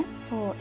そう。